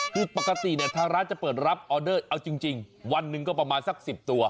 คือปกติเนี่ยทางร้านจะเปิดรับออเดอร์เอาจริงวันหนึ่งก็ประมาณสัก๑๐ตัว